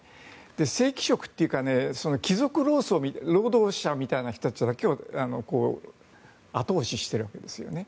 正規職というか貴族労働者みたいな人たちが後押ししているわけですよね。